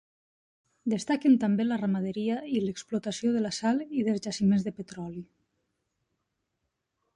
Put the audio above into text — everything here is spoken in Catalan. Destaquen també la ramaderia i l'explotació de la sal i dels jaciments de petroli.